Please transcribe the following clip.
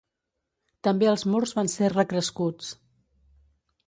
També els murs van ser recrescuts.